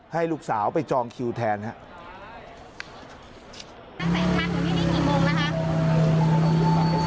ให้ลูกสาวไปจองคิวแทนครับ